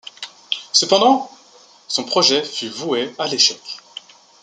Cependant, son projet fut voué à l’échec.